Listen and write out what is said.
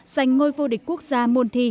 giành ngôi vô địch quốc gia môn thi